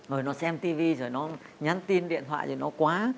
rồi nó xem tv rồi nó nhắn tin điện thoại rồi nó quá